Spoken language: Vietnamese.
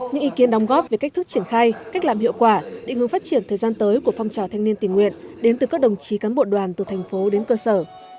những ý kiến đóng góp về cách thức triển khai cách làm hiệu quả định hướng phát triển thời gian tới của phong trào thanh niên tình nguyện đến từ các đồng chí cán bộ đoàn từ thành phố đến cơ sở